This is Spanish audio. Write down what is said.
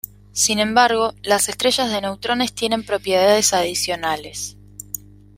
Sin embargo, las estrellas de neutrones tienen propiedades adicionales.